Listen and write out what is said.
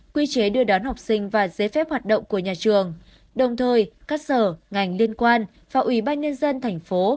quy chế đưa đón học sinh và giấy phép hoạt động của nhà trường đồng thời các sở ngành liên quan và ủy ban nhân dân thành phố